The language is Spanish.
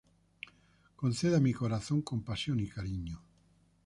Concede a mi corazón compasión y cariño.